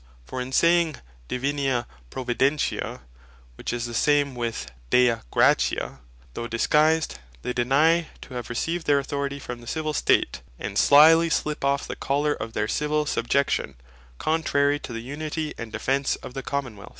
For in saying, Divina Providentia, which is the same with Dei Gratia, though disguised, they deny to have received their authority from the Civill State; and sliely slip off the Collar of their Civill Subjection, contrary to the unity and defence of the Common wealth.